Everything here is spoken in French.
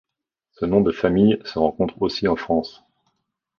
Ce nom de famille se rencontre aussi en France.